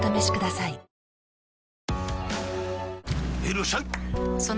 らっしゃい！